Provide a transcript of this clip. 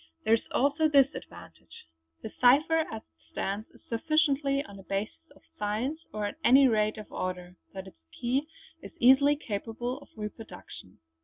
There is also this advantage; the cipher as it stands is sufficiently on a basis of science or at any rate of order, that its key is easily capable of reproduction.